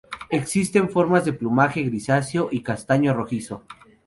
Existen formas de plumaje grisáceo y castaño rojizo.